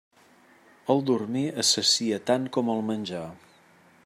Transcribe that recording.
El dormir assacia tant com el menjar.